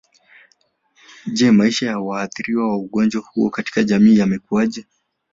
Je maisha ya waathiriwa wa ugonjwa huo katika jamii yamekuaje